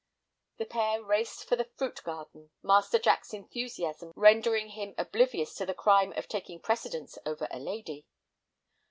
The pair raced for the fruit garden, Master Jack's enthusiasm rendering him oblivious to the crime of taking precedence of a lady.